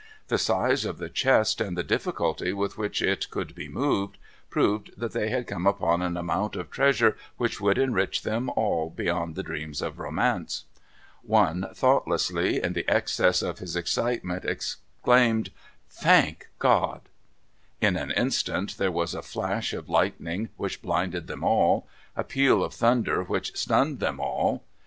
The size of the chest and the difficulty with which it could be moved, proved that they had come upon an amount of treasure which would enrich them all beyond the dreams of romance. One thoughtlessly, in the excess of his excitement, exclaimed, "Thank God!" In an instant there was a flash of lightning which blinded them all; a peal of thunder which stunned them all.